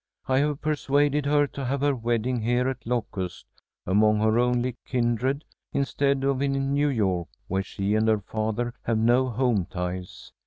I have persuaded her to have her wedding here at Locust, among her only kindred, instead of in New York, where she and her father have no home ties.